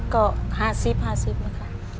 ก็หาซิบหาซิบนะคะ